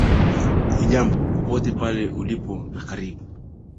hujambo popote pale ulipo na karibu